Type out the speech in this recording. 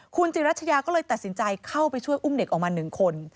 คุณจิรัชยาก็เลยตัดสินใจเข้าไปช่วยอุ้มเด็กออกมา๑คน